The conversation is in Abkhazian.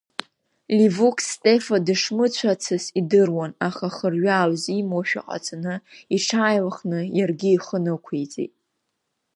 Ливук Стефа дышмыцәацыз идыруан, аха хырҩаа лзимуашәа ҟаҵаны, иҽааилыхны, иаргьы ихы нықәиҵеит.